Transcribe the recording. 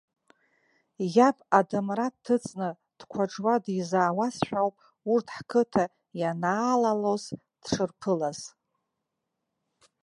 Иаб адамра дҭыҵны дқәаџуа дизаауазшәа ауп, урҭ ҳқыҭа ианаалалоз дшырԥылаз.